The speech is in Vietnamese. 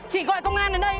chị gọi công an đến đây